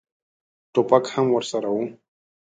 ټوپک هم ورسره و.